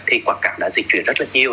thì quảng cáo đã dịch chuyển rất là nhiều